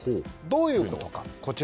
どういうことか。